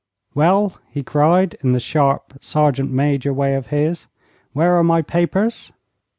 'Well!' he cried, in the sharp, sergeant major way of his. 'Where are my papers?'